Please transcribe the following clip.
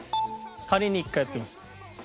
仮に１回やってみます。